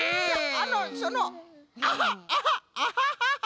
あのそのアハアハアハハハハハ！